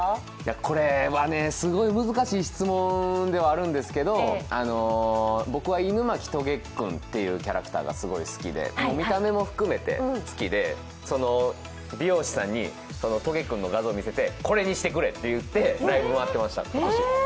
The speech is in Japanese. これはね、すごい難しい質問ではあるんですけど僕は狗巻棘君というキャラクターが見た目も含めて好きで美容師さんに棘君の画像を見せて、これにしてくれ！って言って、ライブまわってました。